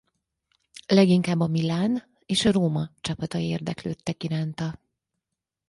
Leginkább a Milan és a Roma csapatai érdeklődtek iránta.